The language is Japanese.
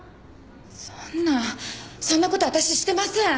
そんなそんな事私してません！